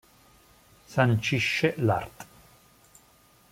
Sancisce l'art.